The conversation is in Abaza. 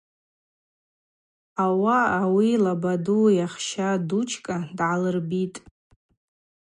Ауаъа ауи лабаду йахща Дучкӏа дгӏалырбитӏ.